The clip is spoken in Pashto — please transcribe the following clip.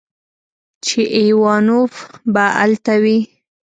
چې ايوانوف به الته وي.